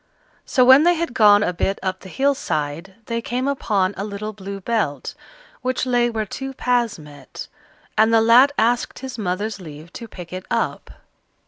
So when they had gone a bit up the hill side, they came upon a little Blue Belt which lay where two paths met, and the lad asked his mother's leave to pick it up.